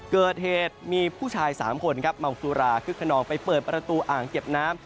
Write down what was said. เกิดเหตุมีผู้ชาย๓คนครับเมาสุราคึกขนองไปเปิดประตูอ่างเก็บน้ำ